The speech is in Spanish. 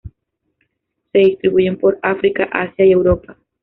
Se distribuyen por África, Asia y Europa.